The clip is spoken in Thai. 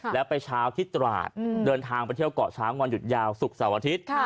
แล้วไปเช้าที่ตราดเดินทางไปเที่ยวเกาะช้างวันหยุดยาวศุกร์เสาร์อาทิตย์